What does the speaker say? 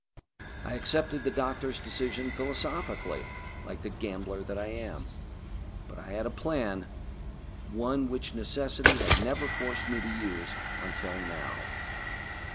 I accepted the doctors' decision philosophically, like the gambler that I am. But I had a plan: One which necessity had never forced me to use until now.